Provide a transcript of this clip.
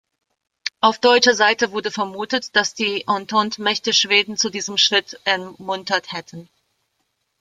Auf deutscher Seite wurde vermutet, dass die Entente-Mächte Schweden zu diesem Schritt ermuntert hätten.